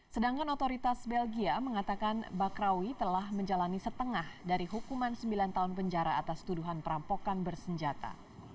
sedangkan otoritas belgia mengatakan bakrawi telah menjalani setengah dari hukuman sembilan tahun penjara atas tuduhan perampokan bersenjata